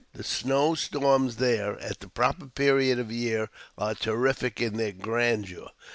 The snow storms there, at the proper period of the year, are terrific in their grandeur.